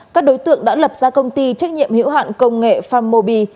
các đối tượng đã lập ra công ty trách nhiệm hiệu hạn công nghệ phammobi